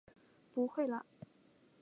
不会啦！